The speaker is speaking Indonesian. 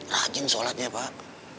rajin solatnya pak